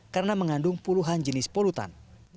karena mengandung puluhan jenis polutan